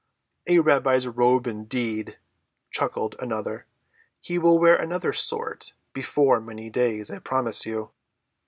"A rabbi's robe, indeed," chuckled another. "He will wear another sort before many days, I promise you."